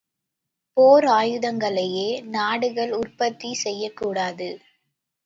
போர் ஆயுதங்களையே நாடுகள் உற்பத்தி செய்யக்கூடாது.